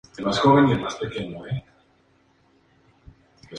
Los principales ingredientes son berenjenas, tomates, pimiento morrón, ajo y cilantro.